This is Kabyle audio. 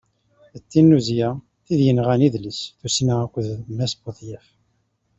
D tinnuzya, tid yenɣan idles, tussna akked d Mass Budyaf.